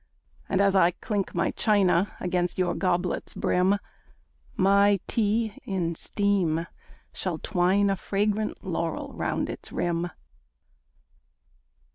And, as I clink my china Against your goblet's brim, My tea in steam shall twine a Fragrant laurel round its rim.